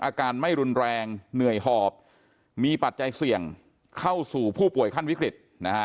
อาการไม่รุนแรงเหนื่อยหอบมีปัจจัยเสี่ยงเข้าสู่ผู้ป่วยขั้นวิกฤตนะฮะ